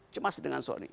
cemas dengan soal ini